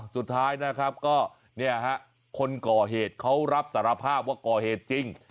สุดท้ายนะครับก็เนี่ยฮะคนก่อเหตุเขารับสารภาพว่าก่อเหตุจริง